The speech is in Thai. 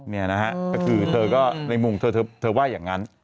นี่นะฮะก็คือเธอก็ในมุมเธอเธอว่าอย่างนั้น